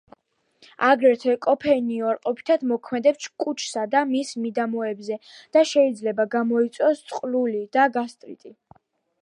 აგრეთვე კოფეინი უარყოფითად მოქმედებს კუჭსა და მის მიდამოებზე და შეიძლება გამოიწვიოს წყლული და გასტრიტი.